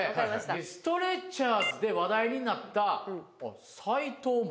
「ストレッチャーズ」で話題になった斉藤も。